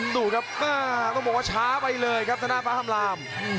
ดูครับต้องบอกว่าช้าไปเลยครับธนาฟ้าคำลาม